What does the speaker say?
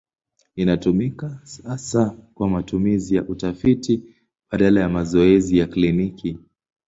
Inatumika hasa kwa matumizi ya utafiti badala ya mazoezi ya kliniki.